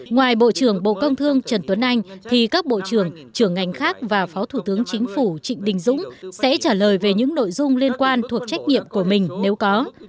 ngoài bộ trưởng bộ công thương trần tuấn anh thì các bộ trưởng trưởng ngành khác và phó thủ tướng chính phủ trịnh đình dũng sẽ trả lời về những nội dung liên quan thuộc trách nhiệm của mình nếu có